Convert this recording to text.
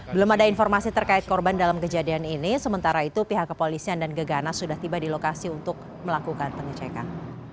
belum ada informasi terkait korban dalam kejadian ini sementara itu pihak kepolisian dan gegana sudah tiba di lokasi untuk melakukan pengecekan